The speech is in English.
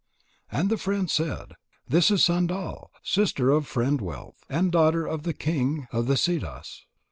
And the friend said: "This is Sandal, sister of Friend wealth, and daughter of the king of the Siddhas."